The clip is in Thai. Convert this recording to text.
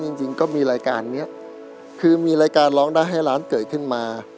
จริงจริงก็มีรายการเนี้ยคือมีรายการร้องได้ให้ล้านเกิดขึ้นมา